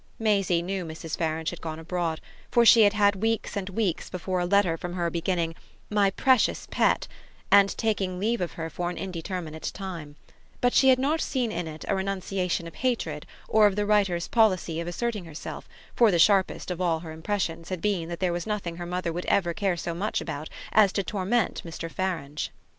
Maisie knew Mrs. Farange had gone abroad, for she had had weeks and weeks before a letter from her beginning "My precious pet" and taking leave of her for an indeterminate time; but she had not seen in it a renunciation of hatred or of the writer's policy of asserting herself, for the sharpest of all her impressions had been that there was nothing her mother would ever care so much about as to torment Mr. Farange.